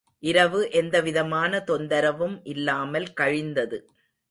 இரவு எந்தவிதமான தொந்தரவும் இல்லாமல் கழிந்தது.